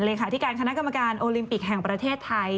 เลขาธิการคณะกรรมการโอลิมปิกแห่งประเทศไทย